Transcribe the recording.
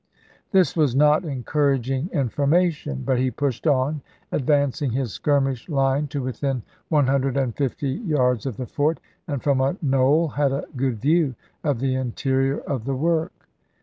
This was not encouraging information, but he pushed on, advancing his skirmish line to within 150 yards of the fort, and from a knoll had a good view of the interior of the work.